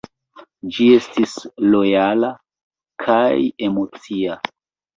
Ĝi estis lojala kai emocia.